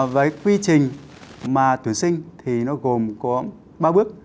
với quy trình mà tuyển sinh thì nó gồm có ba bước